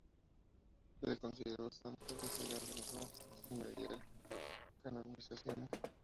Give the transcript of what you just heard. Se le consideró santo y se le veneró sin mediar canonización.